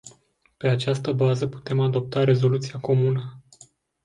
Pe această bază putem adopta rezoluția comună.